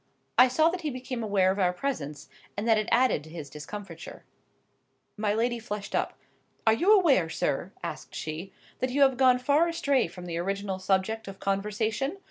I saw that he became aware of our presence, and that it added to his discomfiture. My lady flushed up. "Are you aware, sir," asked she, "that you have gone far astray from the original subject of conversation?